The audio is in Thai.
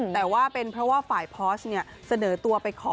แต่ว่าเป็นเพราะว่าฝ่ายพอร์ชเนี่ยเสนอตัวไปขอ